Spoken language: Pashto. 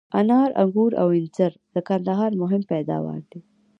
انار، آنګور او انځر د کندهار مهم پیداوار دي.